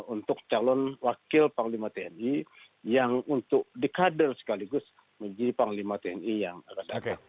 untuk calon wakil panglima tni yang untuk dikader sekaligus menjadi panglima tni yang akan datang